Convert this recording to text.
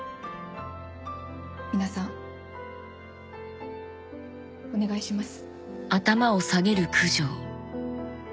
皆さんお願いします。